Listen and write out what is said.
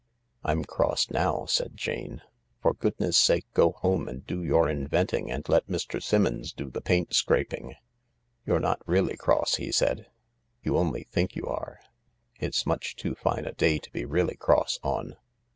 "I'm cross now," said Jane. "For goodness' sake go home and do your inventing and let Mr. Simmons do the paint scraping." " You're not really cross," he said ;" you only think you are. It's much too fine a day to be really cross on.